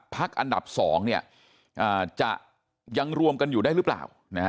พักอันดับ๒จะยังรวมกันอยู่ได้หรือเปล่า